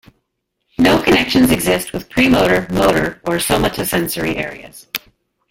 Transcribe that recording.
No connections exist with premotor, motor, or somatosensory areas.